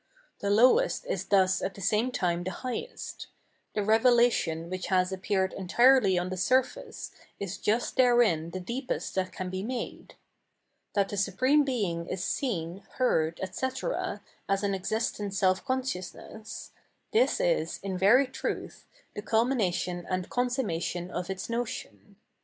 The lowest is thus at the same time the highest ; the revelation which has appeared entirely on the surface is just therein the deepest that can be made. That the Supreme Being is seen, heard, etc., as an existent self consciousness, — ^this is, in very truth, the culmination and consummation of its notion.